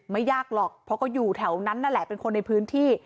ไม่ยากหรอกเพราะก็อยู่แถวนั้นนั่นแหละเป็นคนในพื้นที่